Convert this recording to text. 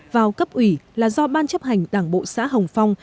vào cấp ủy là do ban chấp hành đảng bộ xã hồng phong